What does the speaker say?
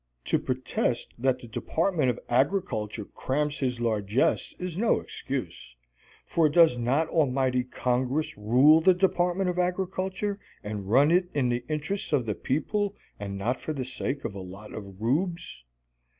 To protest that the Department of Agriculture cramps his largess is no excuse, for does not almighty Congress rule the Department of Agriculture and run it in the interests of the People and not for the sake of a lot of rubes?